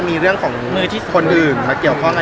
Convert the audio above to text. อันเนี้ยคือไม่ได้คุยกันถึงประเด็นนี้เลยค่ะแล้วก็เอ่อ